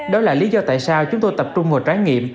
đó là lý do tại sao chúng tôi tập trung vào trái nghiệm